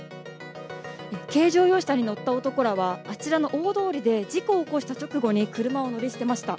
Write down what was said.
軽乗用車に乗った男らはこちらの大通りで事故を起こした直後に車を乗り捨てました。